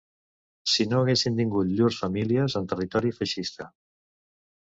Si no haguessin tingut llurs famílies en territori feixista.